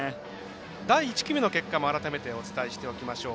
第１組の結果も改めてお伝えしましょう。